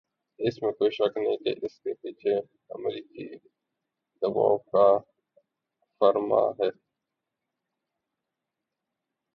اس میں کوئی شک نہیں کہ اس کے پیچھے امریکی دبائو کارفرما ہے۔